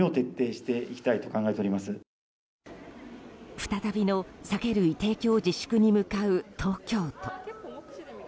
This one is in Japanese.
再びの酒類提供自粛に向かう東京都。